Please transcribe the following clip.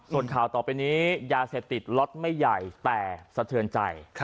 ส่วนข่าวต่อไปนี้ยาเสพติดล็อตไม่ใหญ่แต่สะเทือนใจ